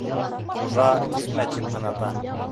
Хужа, китмә тип, һыната.